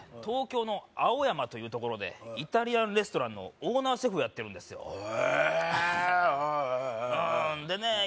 東京の青山というところでイタリアンレストランのオーナーシェフをやってるんですよへえでね